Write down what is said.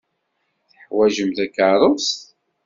Teḥwajem takeṛṛust?